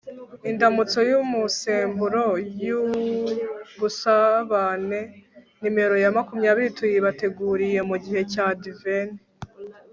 indamutso y'umusemburo w'ubusabane nimero ya makumyabiri tuyibateguriye mu gihe cy'adventi